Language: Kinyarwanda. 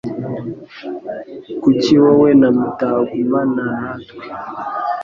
Kuki wowe na mutagumana natwe?